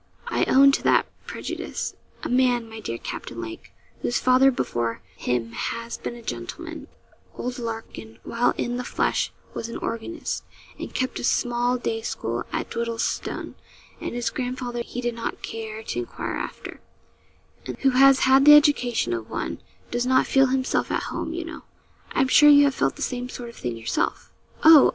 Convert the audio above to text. I own to that prejudice. A man, my dear Captain Lake, whose father before him has been a gentleman (old Larkin, while in the flesh, was an organist, and kept a small day school at Dwiddleston, and his grandfather he did not care to enquire after), and who has had the education of one, does not feel himself at home, you know I'm sure you have felt the same sort of thing yourself.' 'Oh!